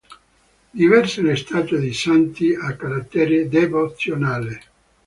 Diverse le statue di santi a carattere devozionale.